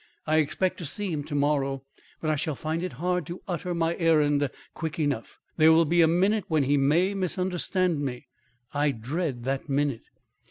I expect to see him to morrow, but I shall find it hard to utter my errand quick enough. There will be a minute when he may misunderstand me. I dread that minute."